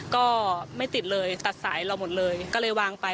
ก็ไม่ติดเลยตัดสายเราหมดเลยก็เลยวางไป